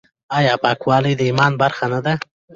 آیا پاکوالی د ایمان برخه نه ده؟